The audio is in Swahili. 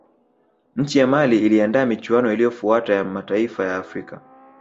nchi ya mali iliandaa michuano iliyofuata ya mataifa ya afrika